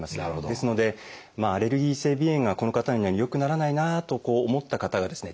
ですのでアレルギー性鼻炎がこの方のように良くならないなと思った方がですね